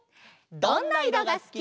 「どんな色がすき」。